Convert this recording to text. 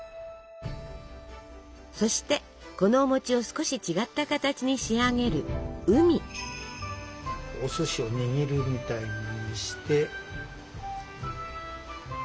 そしてこのお餅を少し違った形に仕上げるお寿司を握るみたいにして。